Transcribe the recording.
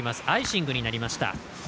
アイシングになりました。